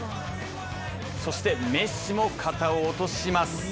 そしてメッシも肩を落とします。